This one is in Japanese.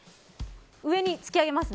上に突き上げます。